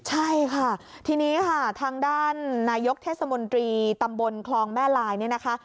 ใช่ค่ะทีนี้ค่ะทางด้านนายกเทศมนตรีตำบลคลองแม่ลายเนี่ยนะคะ